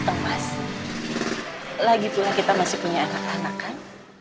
lagi pula kita masih punya anak anak kan